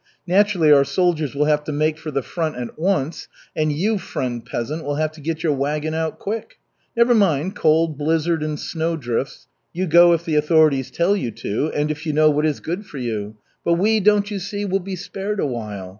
Naturally, our soldiers will have to make for the front at once, and you, friend peasant, will have to get your wagon out, quick! Never mind cold, blizzard, and snowdrifts. You go if the authorities tell you to, and if you know what is good for you. But we, don't you see, will be spared a while.